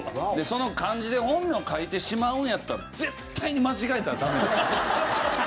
漢字で本名書いてしまうんやったら絶対に間違えたらダメですよ。